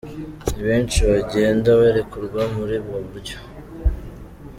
Ni benshi bagenda barekurwa muri ubwo buryo.